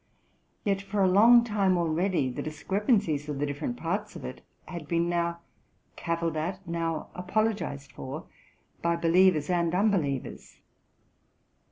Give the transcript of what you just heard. Yet for a long time already the discrepancies of the different parts of it had been now cavilled at, now apologized for, by believers and unbelievers.